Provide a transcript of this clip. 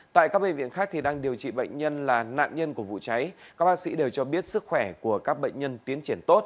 tại các bệnh viện khác đang điều trị bệnh nhân là nạn nhân của vụ cháy các bác sĩ đều cho biết sức khỏe của các bệnh nhân tiến triển tốt